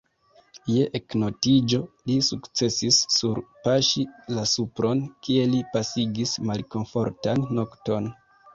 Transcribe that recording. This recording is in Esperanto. Je eknoktiĝo li sukcesis surpaŝi la supron, kie li pasigis malkomfortan nokton.